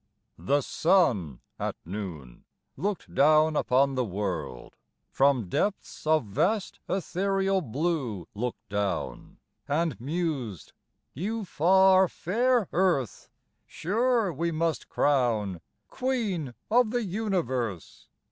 The Sun at noon looked down upon the world; From depths of vast ethereal blue looked down, And mused, "You far, fair Earth, sure we must crown Queen of the Universe.